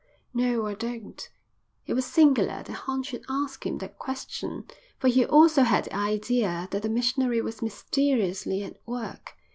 "No, I don't." It was singular that Horn should ask him that question, for he also had the idea that the missionary was mysteriously at work.